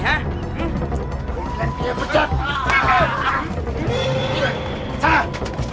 pak g jangan kecampur